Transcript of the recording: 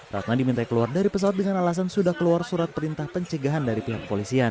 ratna diminta keluar dari pesawat dengan alasan sudah keluar surat perintah pencegahan dari pihak polisian